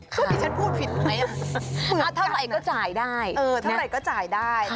โทษที่ฉันพูดผิดไหมถ้าเท่าไหร่ก็จ่ายได้